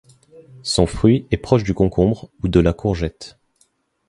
Son fruit est proche du concombre ou de la courgette.